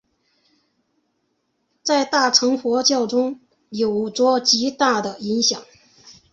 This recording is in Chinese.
在大乘佛教中有着极大影响。